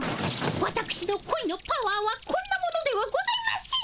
わたくしのこいのパワーはこんなものではございません！